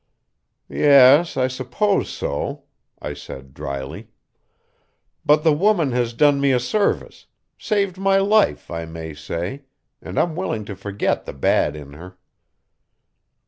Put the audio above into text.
"Yes, I suppose so," said I dryly. "But the woman has done me a service saved my life, I may say and I'm willing to forget the bad in her."